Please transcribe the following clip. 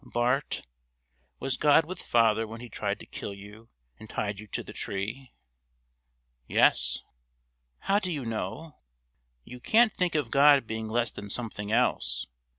"Bart, was God with father when he tried to kill you and tied you to the tree?" "Yes." "How do you know?" "You can't think of God being less than something else.